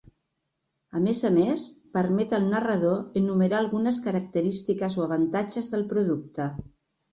A més a més, permet al narrador enumerar algunes característiques o avantatges del producte.